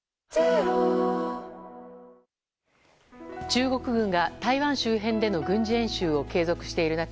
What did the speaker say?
中国軍が台湾周辺での軍事演習を継続している中